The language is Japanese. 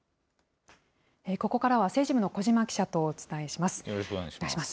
ここからは、政治部の小嶋記者とお伝えします。